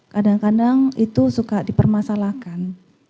kadang kadang itu suka dipermasalahkan